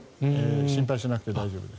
心配しなくて大丈夫です。